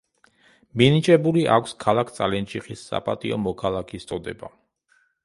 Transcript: მინიჭებული აქვს ქალაქ წალენჯიხის საპატიო მოქალაქის წოდება.